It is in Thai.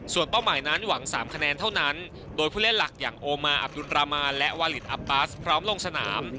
ส่วนเป้าหมายนั้นหวัง๓คะแนนเท่านั้นโดยผู้เล่นหลักอย่างโอมาอับดุลรามานและวาลินอับปัสพร้อมลงสนาม